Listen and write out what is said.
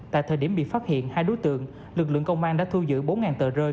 tại thời điểm bị phát hiện hai đối tượng lực lượng công an đã thu giữ bốn tờ rơi